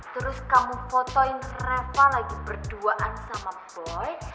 terus kamu fotoin reva lagi berduaan sama boy